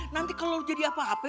nanti kalau jadi apa apa